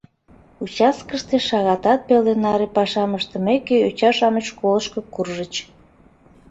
Участкыште шагатат пеле наре пашам ыштымеке йоча-шамыч школышко куржыч.